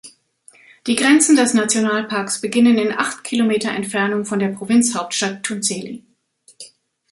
Die Grenzen des Nationalparks beginnen in acht km Entfernung von der Provinzhauptstadt Tunceli.